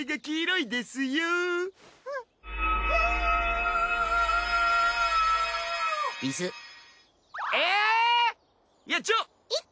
いやちょっ！